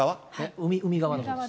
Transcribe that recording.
海側のほうです。